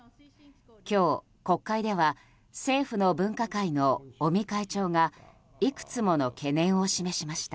今日、国会では政府の分科会の尾身会長がいくつもの懸念を示しました。